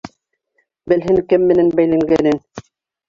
Белһен кем менән бәйләнгәнен!